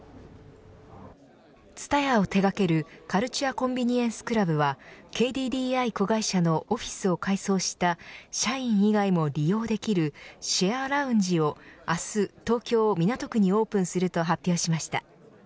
ＴＳＵＴＡＹＡを手掛けるカルチュア・コンビニエンス・クラブはＫＤＤＩ子会社のオフィスを改装した社員以外も利用できるシェアラウンジを明日、東京、港区にオープンすると発表しました。